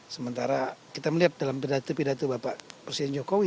sementara kita melihat dalam pidato pidato bapak presiden jokowi